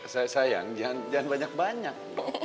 sayang jangan banyak banyak